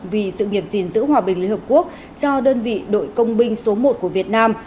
vì sự nghiệp gìn giữ hòa bình liên hợp quốc cho đơn vị đội công binh số một của việt nam